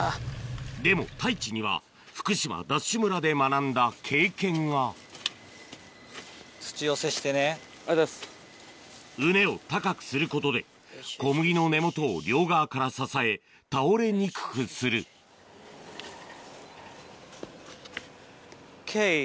でも太一には福島ＤＡＳＨ村で学んだ経験が畝を高くすることで小麦の根元を両側から支え倒れにくくするＯＫ！